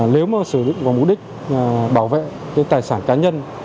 nếu mà sử dụng vào mục đích bảo vệ cái tài sản cá nhân